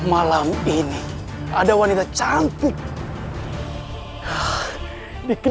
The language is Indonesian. kalau kurang seperti saat ini aku yakin